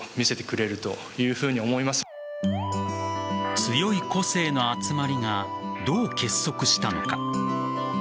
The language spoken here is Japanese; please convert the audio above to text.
強い個性の集まりがどう結束したのか。